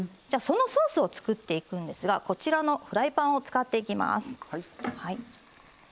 そのソースを作っていくんですがこちらのフライパンを使っていきます。